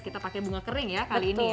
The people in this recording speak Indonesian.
kita pakai bunga kering ya kali ini ya